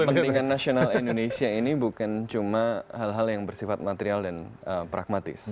kepentingan nasional indonesia ini bukan cuma hal hal yang bersifat material dan pragmatis